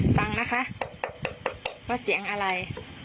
ฟังนะคะว่าเสียงอะไร